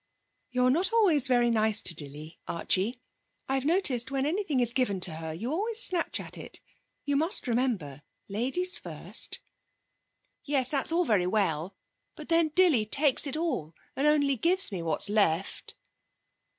'You're not always very nice to Dilly, Archie. I've noticed when anything is given to her, you always snatch at it. You must remember Ladies first.' 'Yes, that's all very well. But then Dilly takes it all, and only gives me what's left.'